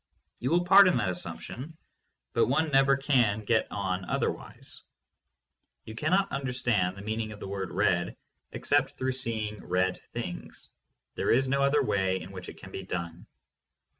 You will pardon that assumption, but one never can get on otherwise. You cannot under stand the meaning of the word "red" except through seeing red things. There is no other way in which it can be done.